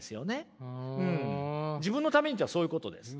自分のためにっていうのはそういうことです。